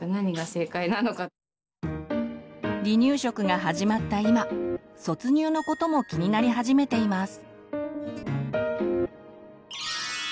離乳食が始まった今卒乳のことも気になり始めています。